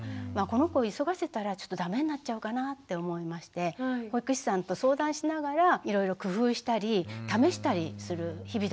この子急がせたらちょっとだめになっちゃうかなって思いまして保育士さんと相談しながらいろいろ工夫したり試したりする日々だったんですよね。